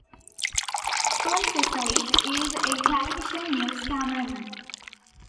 John Cassellis is a television news cameraman.